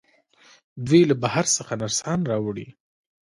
دوی له بهر څخه نرسان راوړي.